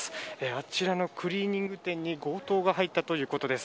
あちらのクリーニング店に強盗が入ったということです。